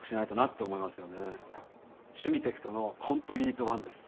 「シュミテクトのコンプリートワン」です